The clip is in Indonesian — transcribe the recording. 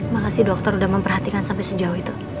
makasih dokter sudah memperhatikan sampai sejauh itu